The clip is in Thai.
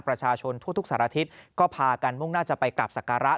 ประชาชนทั่วทุกสารทิศก็พากันมุ่งหน้าจะไปกลับสักการะ